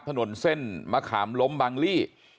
ถนนเส้นมะขามล้มบางลี่